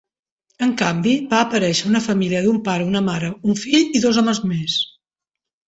En canvi, va aparèixer una família d'un pare, una mare, un fill i dos homes més.